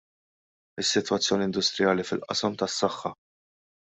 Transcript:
Is-Sitwazzjoni Industrijali fil-Qasam tas-Saħħa.